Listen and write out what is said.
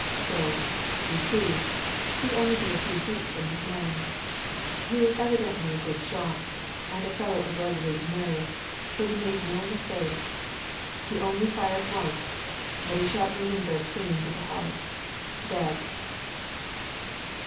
"So, you see, he'd only be a few feet from his man. He was evidently a good shot, and a fellow of resolute nerve, for he made no mistake. He only fired once, but he shot Lydenberg clean through the heart, dead!"